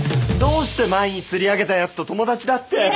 どうして前に釣り上げたやつと友達だって。